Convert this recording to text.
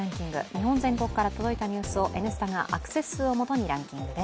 日本全国から届いたニュースを「Ｎスタ」がアクセス数をもとにランキング化。